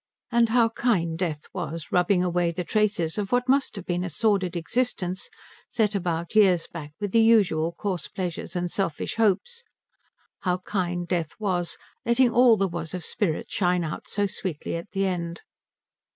And how kind Death was, rubbing away the traces of what must have been a sordid existence, set about years back with the usual coarse pleasures and selfish hopes, how kind Death was, letting all there was of spirit shine out so sweetly at the end.